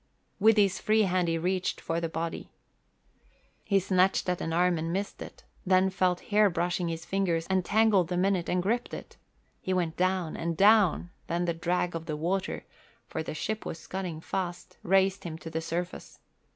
With his free hand he reached for the body. He snatched at an arm and missed it, then felt hair brushing his fingers and tangled them in it and gripped it. He went down and down; then the drag of the water, for the ship was scudding fast, raised him to the surface.